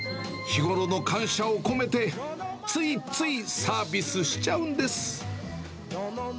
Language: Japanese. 日頃の感謝を込めて、ついついサービスしちゃうんです。